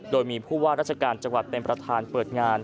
โดยมีผู้ว่าราชการจังหวัดเป็นประธานเปิดงาน